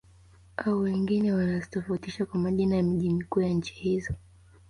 Au wengine wanazitofautisha kwa majina ya miji mikuu ya nchi hizo